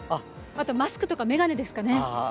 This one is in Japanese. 後はマスクとか眼鏡とかですかね。